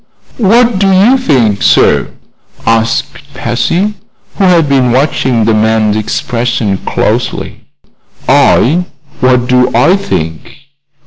"What do you think, sir?" asked Patsy, who had been watching the man's expression closely. "I? What do I think?